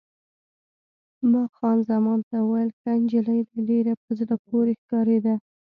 ما خان زمان ته وویل: ښه نجلۍ ده، ډېره په زړه پورې ښکارېده.